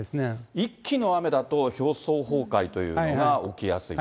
一気の雨だと表層崩壊というのが起きやすい。